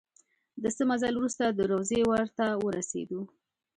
د څه مزل وروسته د روضې ور ته ورسېدو.